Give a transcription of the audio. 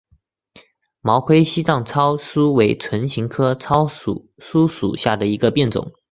毛盔西藏糙苏为唇形科糙苏属下的一个变种。